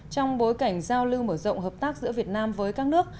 trong bối cảnh giao lưu mở rộng hợp tác giữa việt nam với các nước